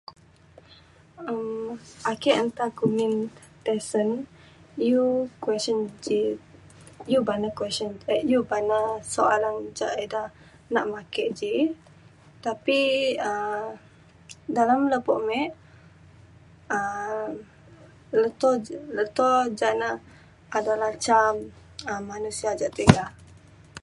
um ake nta kumbin ti sen iu question ji iu ba na question eh iu' bana soalan ca ida nak ma ake ji tapi um dalem lepo me um leto j- leto ja na adalah ca manusia ja tiga